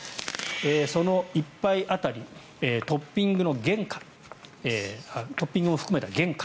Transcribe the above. その１杯当たりのトッピングを含めた原価。